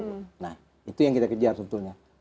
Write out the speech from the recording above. nah itu yang kita kejar sebetulnya